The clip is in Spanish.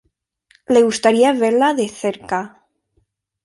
Le gustaría verla de cerca.